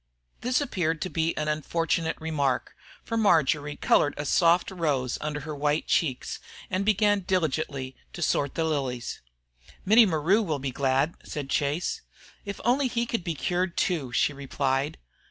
This appeared to be an unfortunate remark, for Marjory colored a soft rose under her white cheeks, and began diligently to sort the lilies. "Mittie maru will be glad," said Chase. "If only he could be cured, too!" she replied.